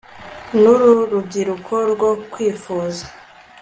Nurubyiruko rwo kwifuza